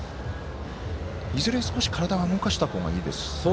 いずれにしても、少し体は動かした方がいいですね。